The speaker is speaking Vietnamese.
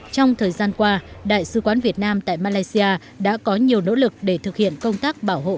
trong thời gian qua đại sứ quán việt nam tại malaysia đã có nhiều nỗ lực để thực hiện công tác bảo hộ